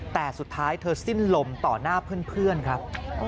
แต่สุดท้ายเธอสิ้นลมต่อหน้าเพื่อนครับ